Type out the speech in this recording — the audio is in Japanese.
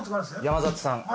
山里さん